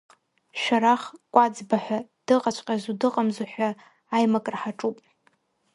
Шәарах Кәаӡба ҳәа дыҟаҵәҟьазу дыҟамзу ҳәа аимакра ҳаҿуп.